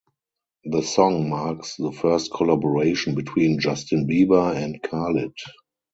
The song marks the first collaboration between Justin Bieber and Khalid.